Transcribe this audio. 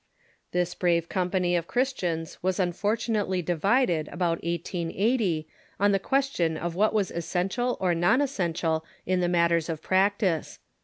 This brave company of Christians was unfortunately divided about 1880 on the question of what was essential or non essen tial in the matters of practice.